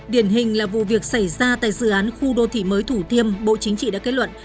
điển hình là vụ việc xảy ra tại dự án khu đô thị mới thủ tiêm bộ chính trị đã kết luận